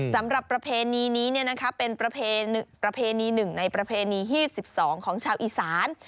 สำหรับประเพณีนี้นะคะเป็นประเพณี๑ในประเพณีที่๑๒ของชาวอีสาน